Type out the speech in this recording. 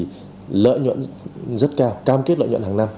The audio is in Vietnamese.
vì lợi nhuận rất cao cam kết lợi nhuận hàng năm